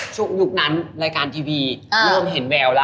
ยุคนั้นรายการทีวีเริ่มเห็นแววแล้ว